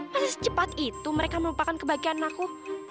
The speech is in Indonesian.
masa secepat itu mereka melupakan kebahagiaan aku